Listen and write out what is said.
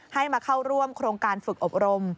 ให้มาเข้าร่วมโครงการฝึกอบรม